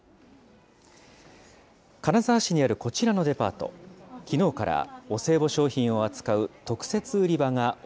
金沢市にあるこちらのデパート、きのうからお歳暮商品を扱う特設